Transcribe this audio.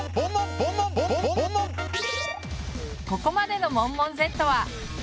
ここまでのモンモンＺは。